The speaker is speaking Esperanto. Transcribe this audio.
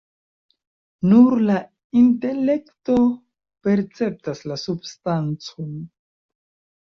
Nur la intelekto perceptas la substancon.